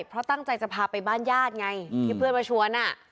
เพราะตั้งใจจะพาไปบ้านญาติไงที่เพื่อนมาชวน